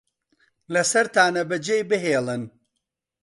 لەسەرتانە بەجێی بهێڵن